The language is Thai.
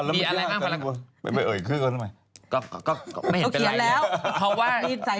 มีอะไรบ้างพาราก้อนไม่เห็นเป็นไรเลยเขาเขียนแล้ว